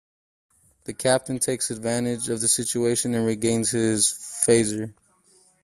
The Captain takes advantage of the situation and regains his phaser.